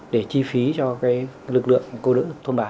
để chi phí cho lực lượng cô nữ thôn bà